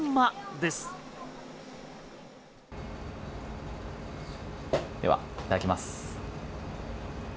では、いただきます。